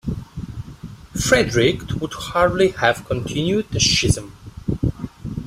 Frederick would hardly have continued the schism.